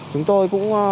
chúng tôi cũng